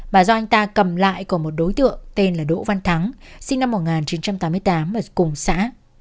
bà do anh ta cầm lại của một đối tượng tên là đỗ văn thắng sinh năm một nghìn chín trăm tám mươi tám ở cùng xã